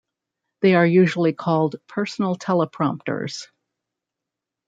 They are usually called personal teleprompters.